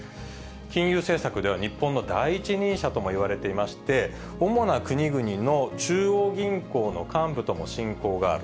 金融政策では日本の第一人者ともいわれていまして、主な国々の中央銀行の幹部とも親交がある。